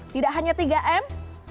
tidak hanya tiga m